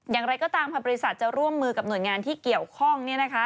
อย่างไรก็ตามค่ะบริษัทจะร่วมมือกับหน่วยงานที่เกี่ยวข้อง